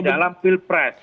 di dalam pil pres